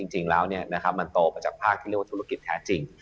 จริงแล้วมันโตมาจากภาคที่เรียกว่าธุรกิจแท้จริง